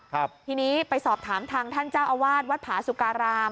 ทีนี้ไปสอบถามทางท่านเจ้าอาวาสวัดผาสุการาม